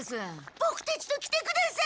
ボクたちと来てください！